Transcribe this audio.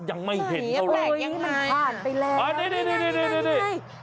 ยังไม่เห็นกันหรอกอุ้ยมันพาดไปแล้วนี่